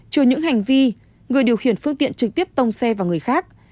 trừ những hành vi người điều khiển phương tiện trực tiếp tông xe vào người khác